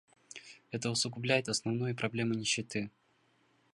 Это усугубляет основную проблему нищеты.